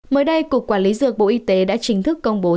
mới đây cục quản lý dược bộ y tế đã chính thức công bố